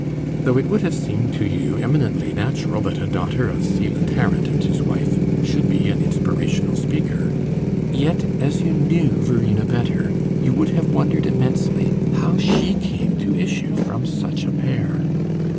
Though it would have seemed to you eminently natural that a daughter of Selah Tarrant and his wife should be an inspirational speaker, yet, as you knew Verena better, you would have wondered immensely how she came to issue from such a pair.